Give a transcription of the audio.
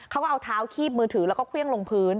เขาก็เอาเท้าคีบมือถือแล้วก็เครื่องลงพื้น